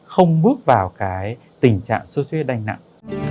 không bước vào tình trạng suất huyết đanh nặng